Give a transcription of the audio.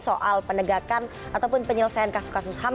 soal penegakan ataupun penyelesaian kasus kasus ham